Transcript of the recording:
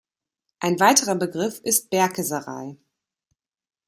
Ein weiterer Begriff ist Berke-Sarai.